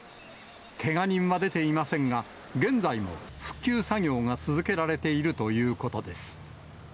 けが人は出ていませんが、現在も復旧作業が続けられているということです。